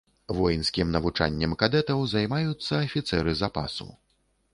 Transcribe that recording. Воінскім навучаннем кадэтаў займаюцца афіцэры запасу.